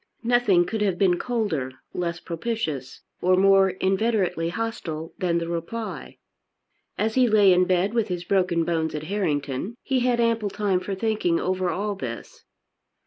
Nothing could have been colder, less propitious, or more inveterately hostile than the reply. As he lay in bed with his broken bones at Harrington he had ample time for thinking over all this.